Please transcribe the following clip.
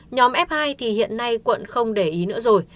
nhóm f hai thì hiện nay quận không để ý nữa rồi